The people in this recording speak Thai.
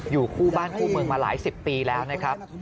อยู่คู่บ้านคู่เมืองมาหลายสิบปีแล้วนะครับ